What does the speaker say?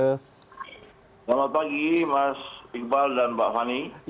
selamat pagi mas iqbal dan mbak fani